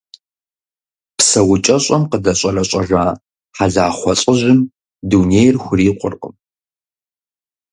ПсэукӀэщӀэм къыдэщӀэрэщӀэжа Хьэлахъуэ лӀыжьым дунейр хурикъуркъым.